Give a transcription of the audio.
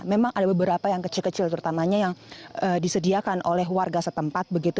memang ada beberapa yang kecil kecil terutamanya yang disediakan oleh warga setempat begitu